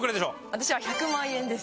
私は１００万円です。